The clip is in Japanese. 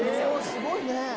すごいね。